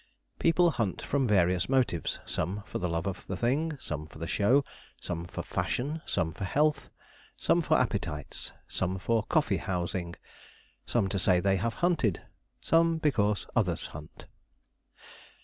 People hunt from various motives some for the love of the thing some for show some for fashion some for health some for appetites some for coffee housing some to say they have hunted some because others hunt.